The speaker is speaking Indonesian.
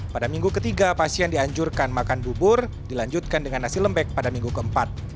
pada minggu ketiga pasien dianjurkan makan bubur dilanjutkan dengan nasi lembek pada minggu keempat